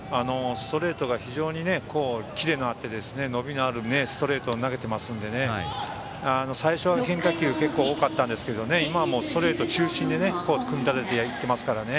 ストレートが非常にキレがあって伸びのあるストレートを投げていますので最初は変化球が結構多かったんですけれども今はもうストレート中心に組み立てていますからね。